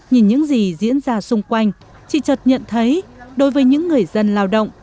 nhìn những gì diễn ra xung quanh chị chật nhận thấy đối với những người dân lao động